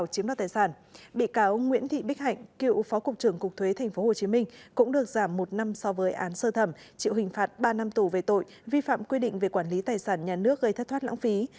chịu hình phạt ba năm tù về tội vi phạm quy định về quản lý tài sản nhà nước gây thất thoát lãng phí